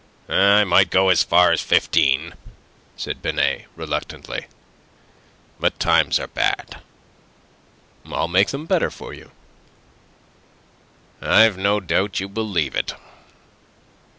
"I might go as far as fifteen," said Binet, reluctantly. "But times are bad." "I'll make them better for you." "I've no doubt you believe it.